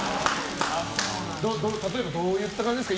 例えばどういった感じですか？